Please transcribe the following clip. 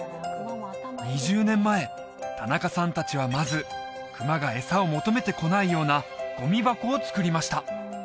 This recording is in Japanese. ２０年前田中さん達はまず熊が餌を求めてこないようなゴミ箱を作りました